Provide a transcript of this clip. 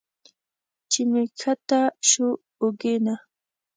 چې مې ښکته شو اوږې نه